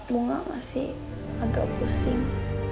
bunga masih agak pusing